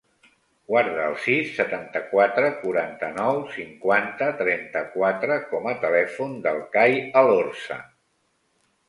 Guarda el sis, setanta-quatre, quaranta-nou, cinquanta, trenta-quatre com a telèfon del Kai Elorza.